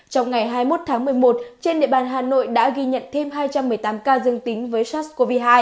trong ngày hai mươi một tháng một mươi một trên địa bàn hà nội đã ghi nhận thêm hai trăm một mươi tám ca dương tính với sars cov hai